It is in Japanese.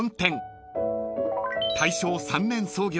［大正３年創業］